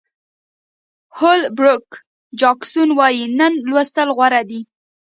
هول بروک جاکسون وایي نن لوستل غوره دي.